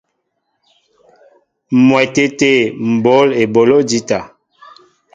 M̀wɛtê tê m̀ bǒl eboló jíta.